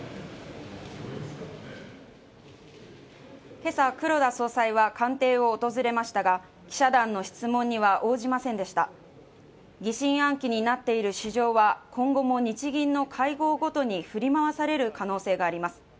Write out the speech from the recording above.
今朝、黒田総裁は官邸を訪れましたが記者団の質問には応じませんでした疑心暗鬼になっている市場は今後も日銀の会合ごとに振り回される可能性があります